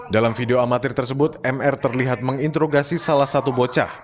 dalam video amatir tersebut mr terlihat menginterogasi salah satu bocah